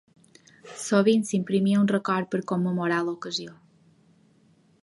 Sovint s'imprimia un record per commemorar l'ocasió.